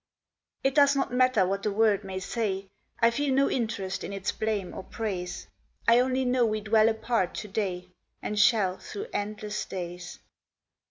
It does not matter what the world may say: I feel no interest in its blame or praise. I only know we dwell apart to day, And shall through endless days.